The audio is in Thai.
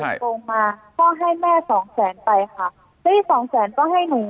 แม่เงินตรงมาก็ให้แม่สองแสนไปค่ะที่สองแสนก็ให้หนู